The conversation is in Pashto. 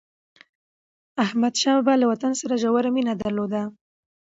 احمدشاه بابا له وطن سره ژوره مینه درلوده.